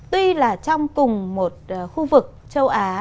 tuy là trong cùng một khu vực châu á